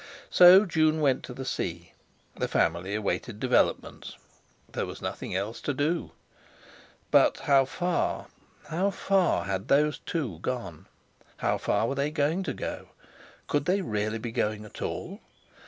So June went to the sea. The family awaited developments; there was nothing else to do. But how far—how far had "those two" gone? How far were they going to go? Could they really be going at all?